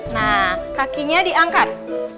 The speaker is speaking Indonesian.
nah kakinya diangkat